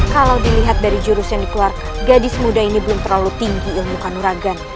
kalau dilihat dari jurus yang dikelar gadis muda ini belum terlalu tinggi ilmu kanuragan